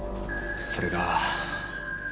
それが。